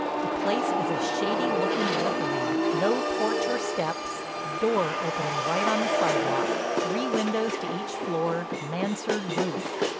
The place is a shady looking rookery, no porch or steps, door opening right on the sidewalk, three windows to each floor, mansard roof.